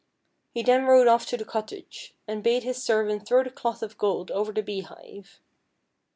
He then rode off to the cottage, and bade his servant throw the cloth of gold over the beehive.